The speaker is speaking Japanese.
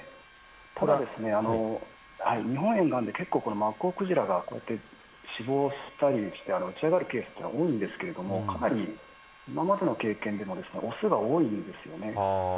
ただ、日本の沿岸で結構、マッコウクジラがこうやって死亡したりして、打ち上がるケースというのが多いんですが、かなり今までの経験でも、雄が多いんですよね。